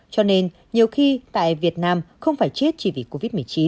cho nên nhiều khi tại việt nam không phải chết chỉ vì covid một mươi chín